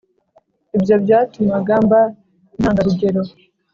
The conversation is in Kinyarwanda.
ibyo byatumaga mba intanga rugero